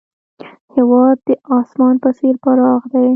هېواد د اسمان په څېر پراخ دی.